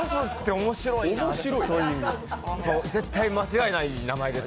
もう絶対、間違いないという名前です。